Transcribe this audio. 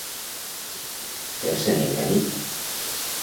Fer-se negra nit.